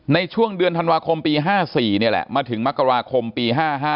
ในช่วงเดือนธันวาคมปี๕๔นี่แหละมาถึงมกราคมปี๕๕